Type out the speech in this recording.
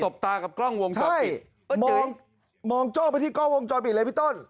บตากับกล้องวงจรปิดมองมองโจ้ไปที่กล้องวงจรปิดเลยพี่ต้น